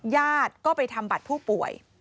ญาติก็ไปทำบัตรผู้ป่วย